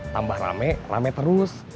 tambah rame rame terus